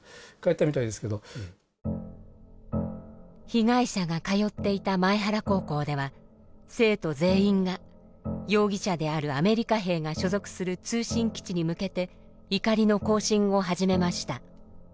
被害者が通っていた前原高校では生徒全員が容疑者であるアメリカ兵が所属する通信基地に向けて怒りの行進を始めました。